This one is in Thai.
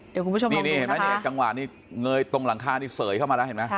เดี๋ยวคุณผู้ชมลองดูนะคะจังหวานนี่เนยตรงหลังคาเสยเข้ามาแล้วเห็นไหมครับ